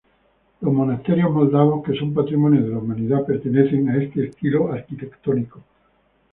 Los monasterios moldavos que son patrimonio de la humanidad pertenecen a este estilo arquitectónico.